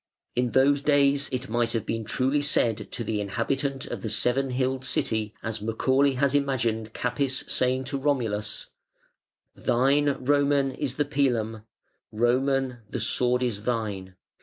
In those days it might have been truly said to the inhabitant of the seven hilled city as Macaulay has imagined Capys saying to Romulus: "Thine, Roman | is the pilum: Roman | the sword is thine.